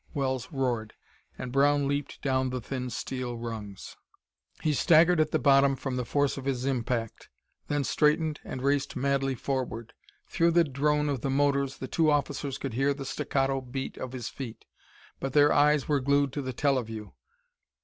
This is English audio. Wells roared, and Brown leaped down the thin steel rungs. He staggered at the bottom from the force of his impact, then straightened and raced madly forward. Through the drone of the motors the two officers could hear the staccato beat of his feet. But their eyes were glued to the teleview.